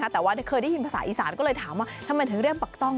แต่ว่าเคยได้ยินภาษาอีสานก็เลยถามว่าทำไมถึงเรียกปักต้อง